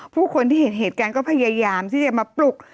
ผู้คนที่เห็นเหตุการณ์ก็พยายามที่จะมาปลุก